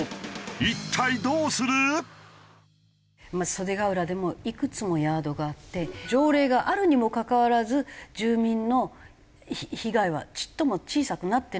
袖ケ浦でもいくつもヤードがあって条例があるにもかかわらず住民の被害はちっとも小さくなってない。